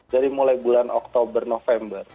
dari mulai bulan oktober november